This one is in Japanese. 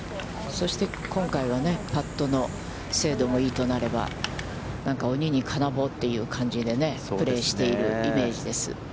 そして、今回は、パットの精度もいいとなれば、なんか鬼に金棒という感じでプレーしているイメージです。